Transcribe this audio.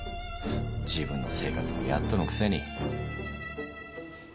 自分の生活もやっとのくせに。